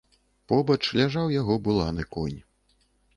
Побач ляжаў яго буланы конь.